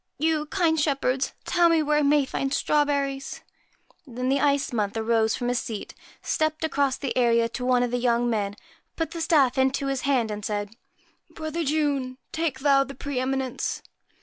You, kind shepherds, tell me where I may find strawberries.' Then the white Ice Month arose from his seat, stepped across the area to one of the young men, put the staff into his hand, and said ' Brother June, take thou the pre eminence.'